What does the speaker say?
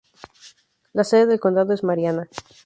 La sede del condado es Marianna.